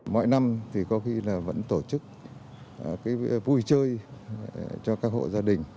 mọi năm thì có khi là vẫn tổ chức vui chơi cho các hộ gia đình